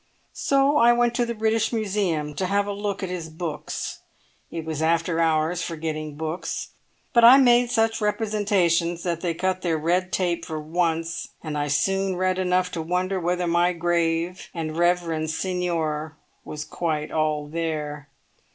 So I went to the British Museum to have a look at his books. It was after hours for getting books, but I made such representations that they cut their red tape for once; and I soon read enough to wonder whether my grave and reverend seignior was quite all there.